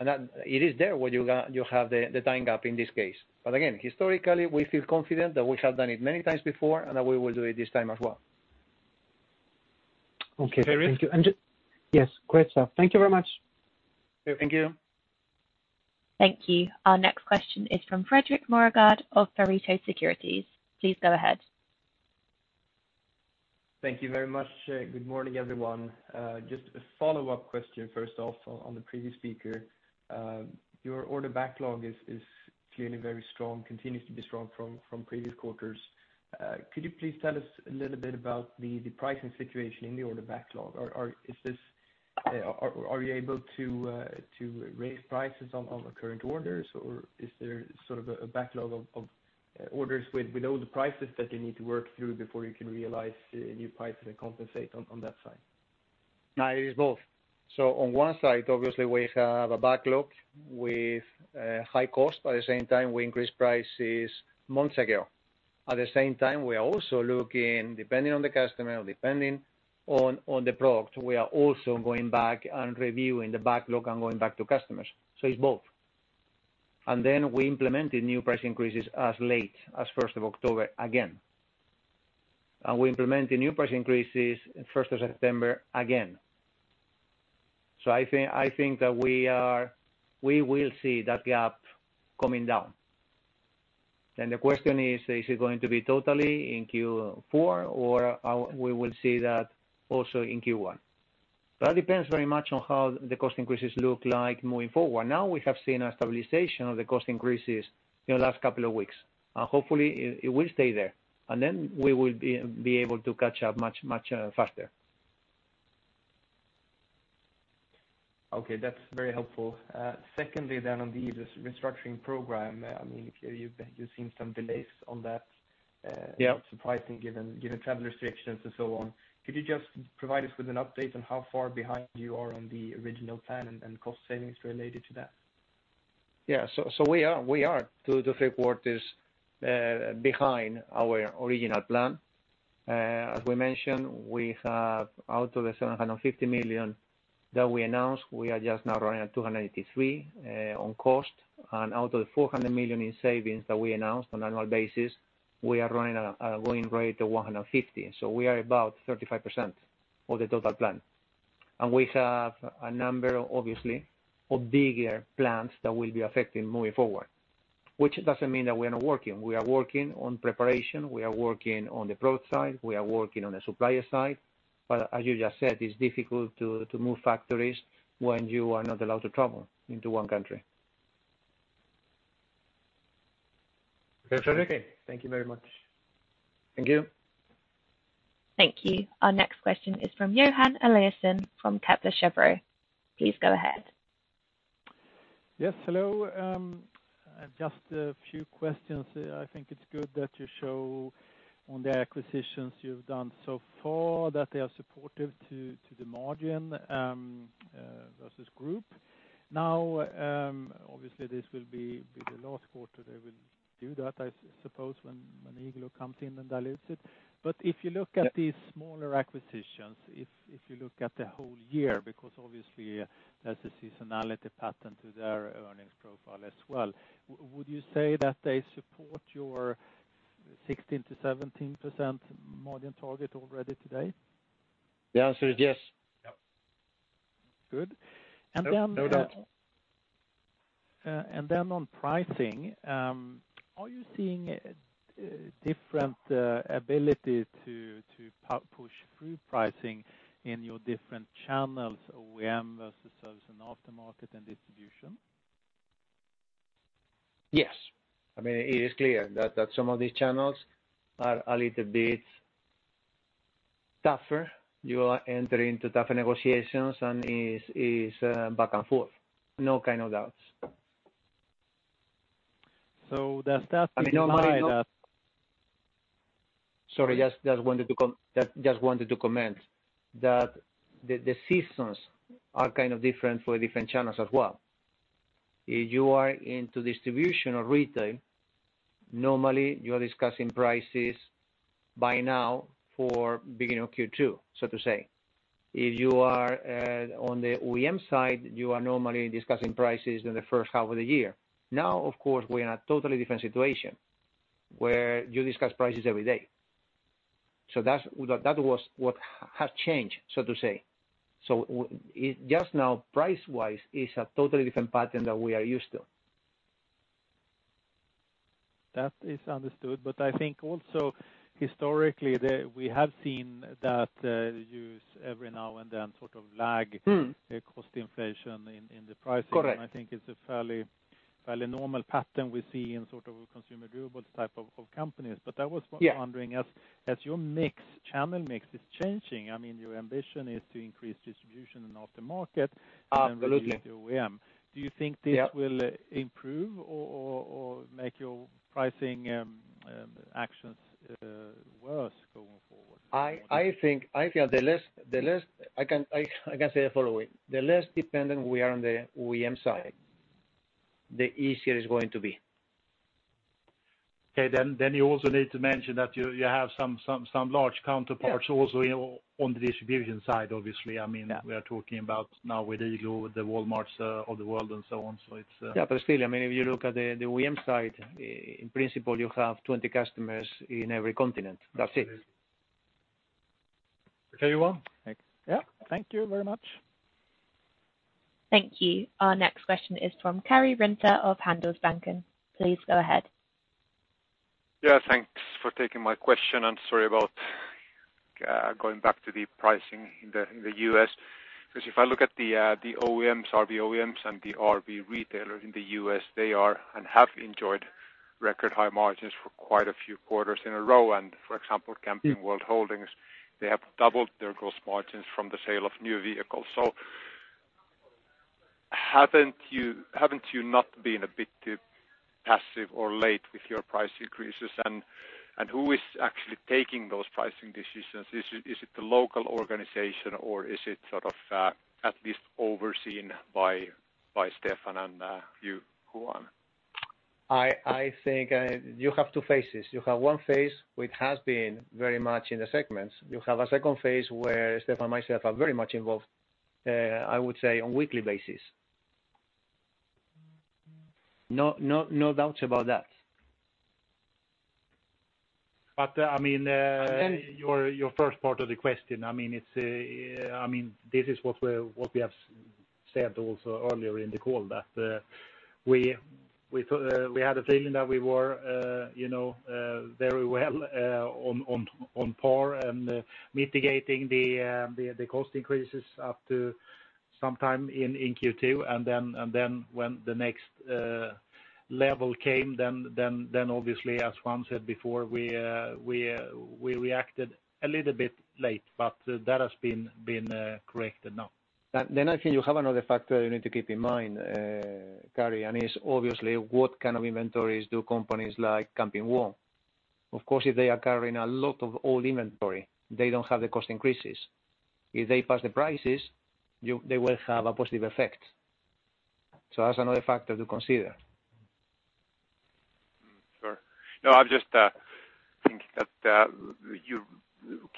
It is there where you have the time gap in this case. Again, historically, we feel confident that we have done it many times before and that we will do it this time as well. Okay. Thank you. Yes, great stuff. Thank you very much. Thank you. Thank you. Our next question is from Fredrik Moregård of Pareto Securities. Please go ahead. Thank you very much. Good morning, everyone. Just a follow-up question, first off, on the previous speaker. Your order backlog is clearly very strong, continues to be strong from previous quarters. Could you please tell us a little bit about the pricing situation in the order backlog? Are you able to raise prices on current orders, or is there sort of a backlog of orders with older prices that you need to work through before you can realize new prices and compensate on that side? No, it is both. On one side, obviously, we have a backlog with high cost. At the same time, we increased prices months ago. At the same time, we are also looking, depending on the customer, or depending on the product, we are also going back and reviewing the backlog and going back to customers. It's both. Then we implemented new price increases as late as the first of October again. We implemented new price increases first of September again. I think that we will see that gap coming down. The question is: Is it going to be totally in Q4, or we will see that also in Q1? That depends very much on how the cost increases look like moving forward. We have seen a stabilization of the cost increases in the last couple of weeks. Hopefully, it will stay there. We will be able to catch up much faster. Okay. That's very helpful. Secondly, on the restructuring program, you've been using some delays on that- Yeah surprising given travel restrictions and so on. Could you just provide us with an update on how far behind you are on the original plan and cost savings related to that? Yeah. We are two to three quarters behind our original plan. As we mentioned, we have out of the 750 million that we announced, we are just now running at 283 on cost. Out of the 400 million in savings that we announced on an annual basis, we are running at a going rate of 150. We are about 35% of the total plan. We have a number, obviously, of bigger plans that will be affected moving forward, which doesn't mean that we're not working. We are working on preparation, we are working on the product side, we are working on the supplier side. As you just said, it's difficult to move factories when you are not allowed to travel into one country. Okay. Thank you very much. Thank you. Thank you. Our next question is from Johan Eliason from Kepler Cheuvreux. Please go ahead. Yes, hello. Just a few questions. I think it's good that you show on the acquisitions you've done so far that they are supportive to the margin versus group. Obviously, this will be the last quarter they will do that, I suppose, when Igloo comes in and dilutes it. If you look at these smaller acquisitions, if you look at the whole year, because obviously, there's a seasonality pattern to their earnings profile as well, would you say that they support your 16%-17% margin target already today? The answer is yes. Good. No doubt. On pricing, are you seeing a different ability to push through pricing in your different channels, OEM versus service and aftermarket and distribution? Yes. It is clear that some of these channels are a little bit tougher. You are entering into tougher negotiations. It is back and forth. No kind of doubts. So that's- Sorry, just wanted to comment that the seasons are kind of different for different channels as well. If you are into distribution or retail, normally you are discussing prices by now for beginning of Q2, so to say. If you are on the OEM side, you are normally discussing prices in the first half of the year. Now, of course, we are in a totally different situation where you discuss prices every day. That was what has changed, so to say. Just now, price-wise, it's a totally different pattern than we are used to. That is understood. I think also historically, we have seen that you every now and then sort of lag cost inflation in the pricing. Correct. I think it's a fairly normal pattern we see in consumer durables type of companies. Yeah wondering, as your channel mix is changing, your ambition is to increase distribution in aftermarket- Absolutely than reduce the OEM. Do you think this will improve or make your pricing actions worse going forward? I can say the following: the less dependent we are on the OEM side, the easier it's going to be You also need to mention that you have some large counterparts also on the distribution side, obviously. I mean, we are talking about now with Igloo, with the Walmarts of the world and so on. Yeah, still, if you look at the OEM side, in principle, you have 20 customers in every continent. That's it. Okay. Well, thanks. Yeah. Thank you very much. Thank you. Our next question is from Karri Rinta of Handelsbanken. Please go ahead. Yeah, thanks for taking my question. Sorry about going back to the pricing in the U.S., because if I look at the RV OEMs and the RV retailers in the U.S., they are and have enjoyed record high margins for quite a few quarters in a row. For example, Camping World Holdings, they have doubled their gross margins from the sale of new vehicles. Haven't you not been a bit passive or late with your price increases? Who is actually taking those pricing decisions? Is it the local organization, or is it sort of at least overseen by Stefan and you, Juan? I think you have two phases. You have one phase which has been very much in the segments. You have a second phase where Stefan and myself are very much involved, I would say on weekly basis. No doubts about that. Your first part of the question, this is what we have said also earlier in the call, that we had a feeling that we were very well on par and mitigating the cost increases up to some time in Q2. When the next level came, then obviously, as Juan said before, we reacted a little bit late, but that has been corrected now. I think you have another factor you need to keep in mind, Karri, and it's obviously what kind of inventories do companies like Camping World. Of course, if they are carrying a lot of old inventory, they don't have the cost increases. If they pass the prices, they will have a positive effect. That's another factor to consider. Sure. No, I'm just thinking that you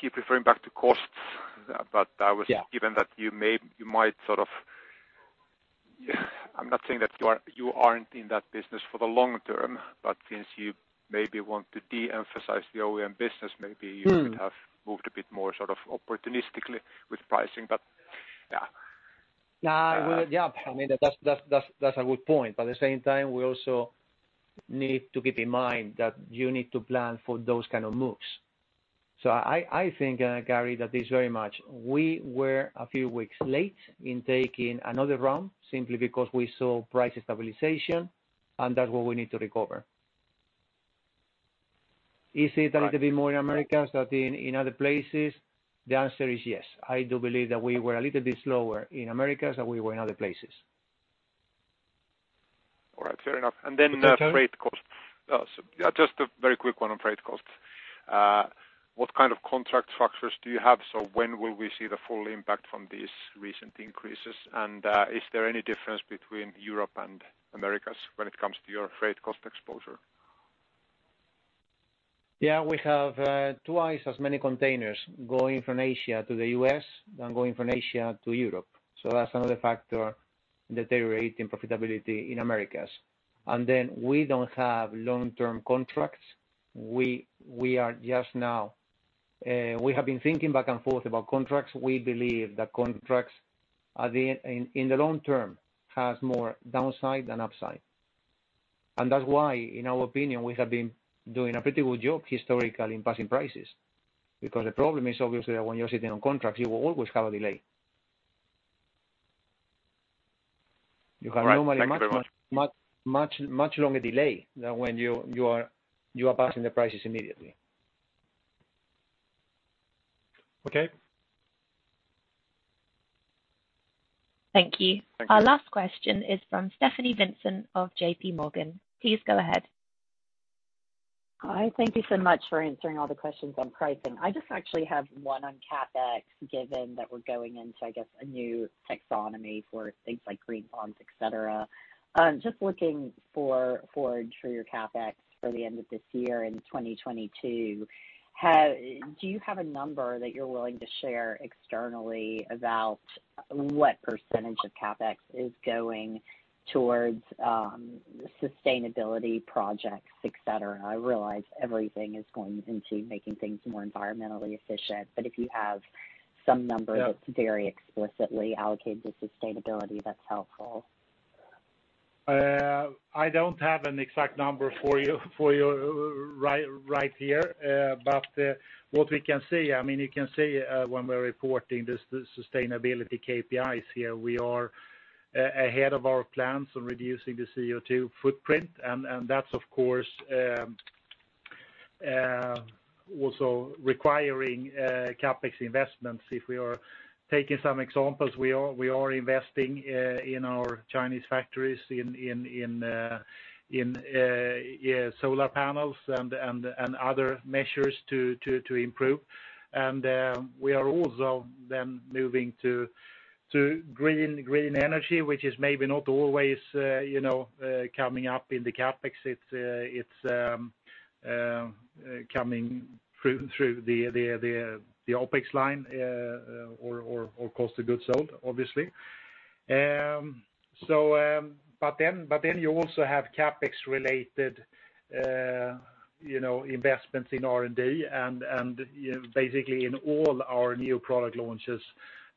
keep referring back to costs, but I was given that you might sort of I'm not saying that you aren't in that business for the long term, but since you maybe want to de-emphasize the OEM business, maybe you could have moved a bit more sort of opportunistically with pricing, but yeah. Yeah. That's a good point. At the same time, we also need to keep in mind that you need to plan for those kind of moves. I think, Karri, that is very much we were a few weeks late in taking another round simply because we saw price stabilization, and that's what we need to recover. Is it a little bit more in Americas than in other places? The answer is yes. I do believe that we were a little bit slower in Americas than we were in other places. All right. Fair enough. Freight cost. Just a very quick one on freight cost. What kind of contract structures do you have? When will we see the full impact from these recent increases? Is there any difference between Europe and Americas when it comes to your freight cost exposure? Yeah. We have twice as many containers going from Asia to the U.S. than going from Asia to Europe. That's another factor deteriorating profitability in Americas. We don't have long-term contracts. We have been thinking back and forth about contracts. We believe that contracts in the long term has more downside than upside. That's why, in our opinion, we have been doing a pretty good job historically in passing prices. The problem is obviously that when you're sitting on contracts, you will always have a delay. You have normally much longer delay than when you are passing the prices immediately. Okay. Thank you. Our last question is from Stephanie Vincent of J.P. Morgan. Please go ahead. Hi. Thank you so much for answering all the questions on pricing. I just actually have one on CapEx, given that we're going into, I guess, a new taxonomy for things like green bonds, et cetera. Just looking forward for your CapEx for the end of this year and 2022, do you have a number that you're willing to share externally about what percent of CapEx is going towards sustainability projects, et cetera? I realize everything is going into making things more environmentally efficient, if you have some number that's very explicitly allocated to sustainability, that's helpful. I don't have an exact number for you right here. What we can say, you can see when we're reporting the sustainability KPIs here, we are ahead of our plans on reducing the CO2 footprint. That's of course also requiring CapEx investments. If we are taking some examples, we are investing in our Chinese factories in solar panels and other measures to improve. We are also then moving to green energy, which is maybe not always coming up in the CapEx. It's coming through the OpEx line or cost of goods sold, obviously. Then you also have CapEx related investments in R&D and basically in all our new product launches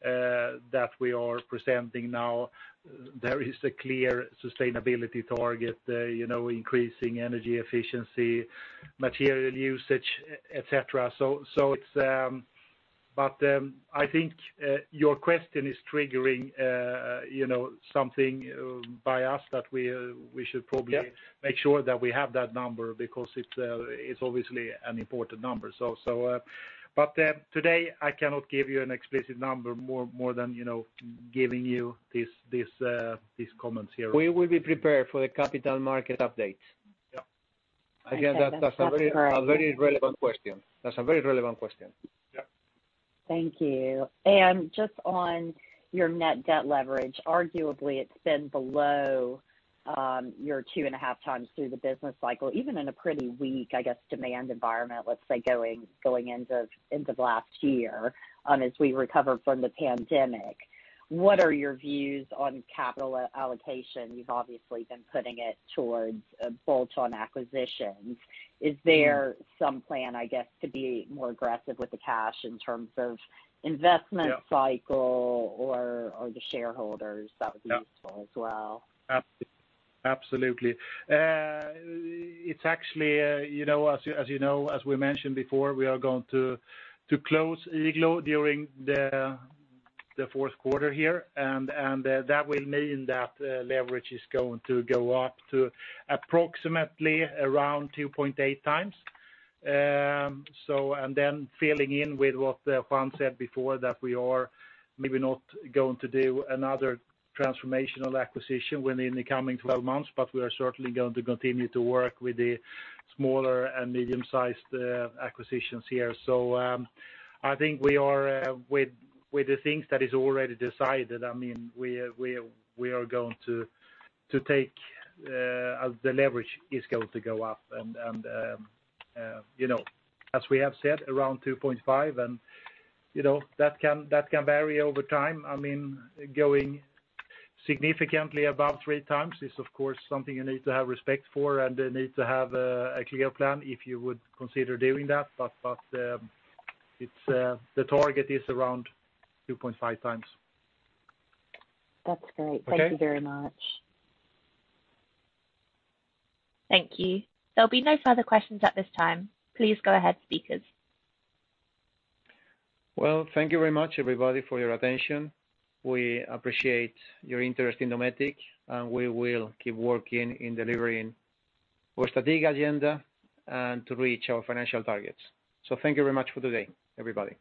that we are presenting now, there is a clear sustainability target, increasing energy efficiency, material usage, et cetera. I think your question is triggering something by us that we should probably- Yeah make sure that we have that number because it's obviously an important number. Today, I cannot give you an explicit number more than giving you these comments here. We will be prepared for the capital market update. Yeah. That's a very relevant question. Yeah. Thank you. Just on your net debt leverage, arguably it's been below your 2.5x through the business cycle, even in a pretty weak, I guess, demand environment, let's say, going into last year as we recover from the pandemic. What are your views on capital allocation? You've obviously been putting it towards bolt-on acquisitions. Is there some plan, I guess, to be more aggressive with the cash in terms of investment cycle or the shareholders? That would be useful as well. It's actually, as you know, as we mentioned before, we are going to close Igloo during the fourth quarter here, and that will mean that leverage is going to go up to approximately around 2.8x. Filling in with what Juan said before, that we are maybe not going to do another transformational acquisition within the coming 12 months, but we are certainly going to continue to work with the smaller and medium-sized acquisitions here. With the things that is already decided, we are going to take as the leverage is going to go up and, as we have said, around 2.5x, and that can vary over time. Going significantly above 3x is, of course, something you need to have respect for and need to have a clear plan if you would consider doing that. The target is around 2.5x. That's great. Okay. Thank you very much. Thank you. There'll be no further questions at this time. Please go ahead, speakers. Well, thank you very much everybody for your attention. We appreciate your interest in Dometic, and we will keep working in delivering our strategic agenda and to reach our financial targets. Thank you very much for today, everybody.